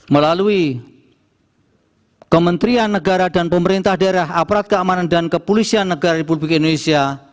melalui kementerian negara dan pemerintah daerah aparat keamanan dan kepolisian negara republik indonesia